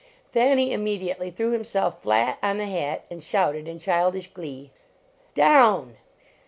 Thanny immediately threw himself flat on the hat, and shouted in childish glee, down